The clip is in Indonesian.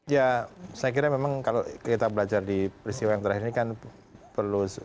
ya saya kira memang kalau kita belajar di peristiwa yang terakhir ini kan perlu